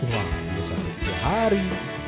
wah bisa kering dua hari